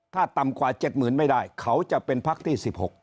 ถ้าต่ำกว่า๗๐๐ไม่ได้เขาจะเป็นพักที่๑๖